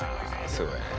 すごいね。